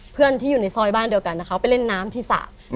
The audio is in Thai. เพื่อนที่อยู่ในซอยบ้านเดียวกันเขาไปเล่นน้ำที่สระ